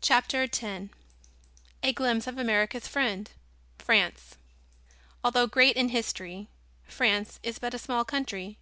CHAPTER X A GLIMPSE OF AMERICA'S FRIEND FRANCE Although great in history, France is but a small country.